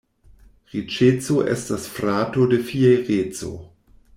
Riĉeco estas frato de fiereco.